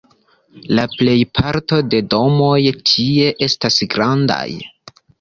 La plejparto de domoj tie estas grandaj.